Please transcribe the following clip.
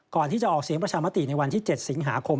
ก่อนที่จะออกเสียงประชามติในวันที่๗สิงหาคม